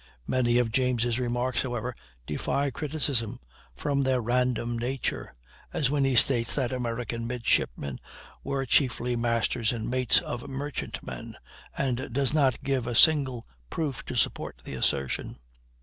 Many of James' remarks, however, defy criticism from their random nature, as when he states that American midshipmen were chiefly masters and mates of merchantmen, and does not give a single proof to support the assertion.